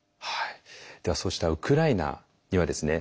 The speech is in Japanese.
ではそうしたウクライナにはですね